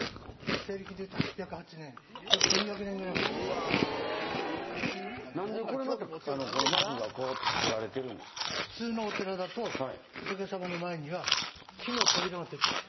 西暦でいうと８０８年、なんで幕がかけられてるんで普通のお寺だと、仏様の前には木の扉がついてるんです。